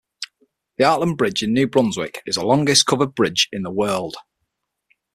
The Hartland Bridge in New Brunswick is the longest covered bridge in the world.